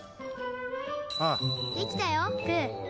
「できたよプー」